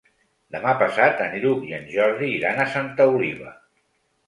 Demà passat en Lluc i en Jordi iran a Santa Oliva.